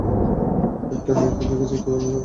একটা মেয়েকে দেখেছি তো এমন লাগলো?